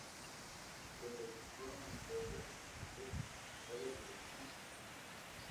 Protagonizó, entre otras, "Giselle", El lago de los cisnes y Carmen.